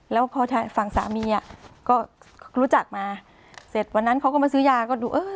แล้วพอทางฝั่งสามีอ่ะก็รู้จักมาเสร็จวันนั้นเขาก็มาซื้อยาก็ดูเออ